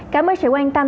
cảm ơn sự quan tâm